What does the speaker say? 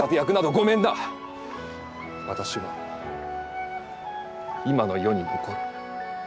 私は今の世に残る。